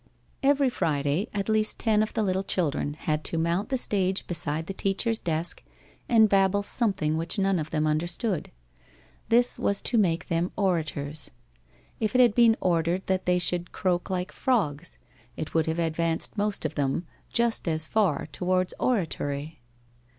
Every Friday at least ten of the little children had to mount the stage beside the teacher's desk and babble something which none of them understood. This was to make them orators. If it had been ordered that they should croak like frogs, it would have advanced most of them just as far towards oratory.